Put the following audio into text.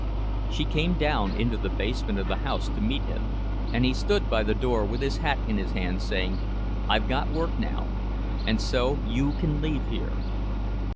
She came down into the basement of the house to meet him, and he stood by the door with his hat in his hand, saying, "I've got work now, and so you can leave here."